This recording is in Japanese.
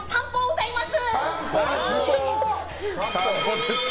歌います。